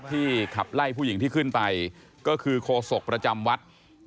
ขับไล่ผู้หญิงที่ขึ้นไปก็คือโคศกประจำวัด